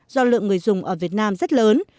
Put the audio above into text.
do lượng người dùng ở việt nam rất lớn